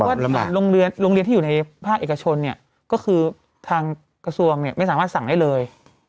เพราะว่าโรงเรียนที่อยู่ในภาคเอกชนเนี่ยก็คือทางกระทรวงเนี่ยไม่สามารถสั่งได้เลย